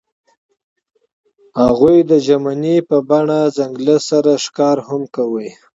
هغوی د ژمنې په بڼه ځنګل سره ښکاره هم کړه.